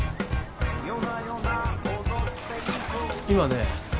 今ね